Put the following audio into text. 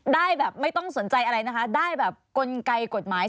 ได้แบบไม่ต้องสนใจอะไรนะคะได้แบบกลไกกฎหมาย